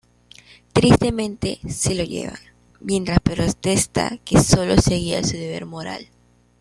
Tristemente, se lo llevan, mientras protesta que sólo seguía su deber moral.